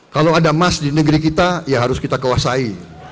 kalau ada emas di negeri kita ya harus kita kewasai